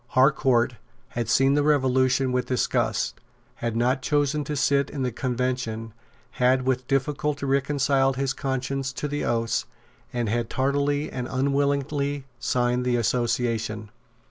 Harcourt had seen the Revolution with disgust, had not chosen to sit in the Convention, had with difficulty reconciled his conscience to the oaths, and had tardily and unwillingly signed the Association.